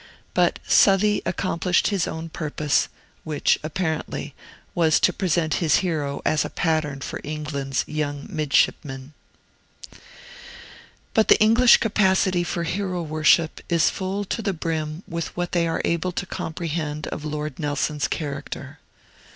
But Southey accomplished his own purpose, which, apparently, was to present his hero as a pattern for England's young midshipmen. But the English capacity for hero worship is full to the brim with what they are able to comprehend of Lord Nelson's character.